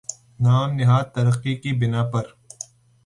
نام نہاد ترقی کی بنا پر